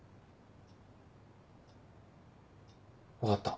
分かった。